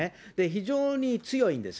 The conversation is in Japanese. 非常に強いんです。